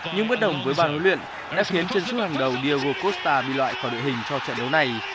những bất đồng với bàn huấn luyện đã khiến chân sức hàng đầu diego costa bị loại khỏi đội hình cho trận đấu này